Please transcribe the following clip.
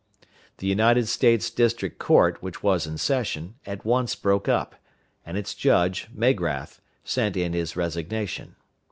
The United States District Court, which was in session, at once broke up, and its judge, Magrath, sent in his resignation.